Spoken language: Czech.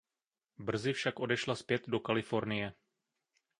Brzy však odešla zpět do Kalifornie.